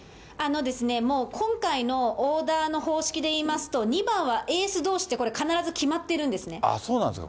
もう今回のオーダーの方式で言いますと、２番はエースどうしって、必ず決まってるんですね。